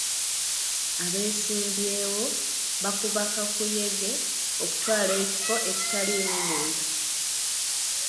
Abeesimbyewo bakuba kakuyege okutwala ekifo ekitaliimu muntu.